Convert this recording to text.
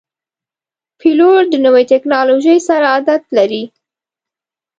پیلوټ د نوي ټکنالوژۍ سره عادت لري.